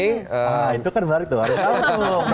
nah itu kan beneran itu harus